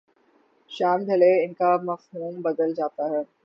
شام ڈھلے ان کا مفہوم بدل جاتا ہے۔